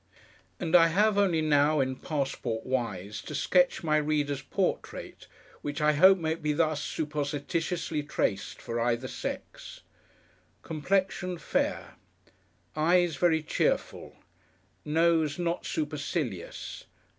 And I have only now, in passport wise, to sketch my reader's portrait, which I hope may be thus supposititiously traced for either sex: Complexion Fair. Eyes Very cheerful. Nose Not supercilious.